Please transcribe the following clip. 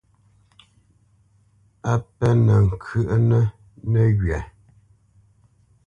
A pénə̄ ŋkyə́ʼnə́ nəghywa.